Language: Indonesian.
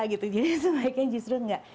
jadi sebaiknya justru tidak